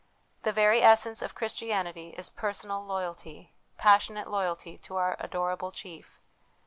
The very essence of Christianity is personal loyalty, passionate loyalty to our adorable Chief.